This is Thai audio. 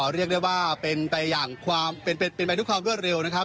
เรียกได้ว่าเป็นไปทุกครั้งเร็วเร็วนะครับ